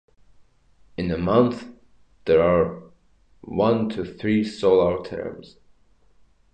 In a month, there are one to three solar terms.